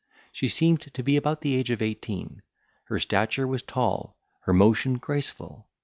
She seemed to be about the age of eighteen. Her stature was tall; her motion graceful.